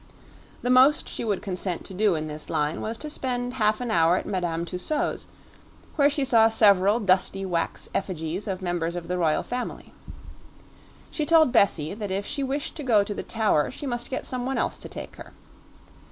The most she would consent to do in this line was to spend half an hour at Madame Tussaud's, where she saw several dusty wax effigies of members of the royal family. She told Bessie that if she wished to go to the Tower she must get someone else to take her.